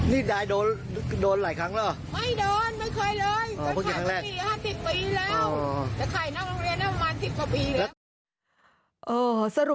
นี่ได้โดนหลายครั้งหรอ